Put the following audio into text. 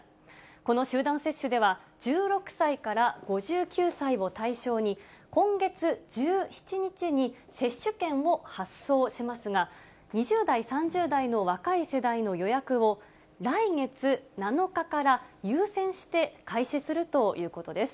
この集団接種では、１６歳から５９歳を対象に、今月１７日に接種券を発送しますが、２０代、３０代の若い世代の予約を、来月７日から優先して開始するということです。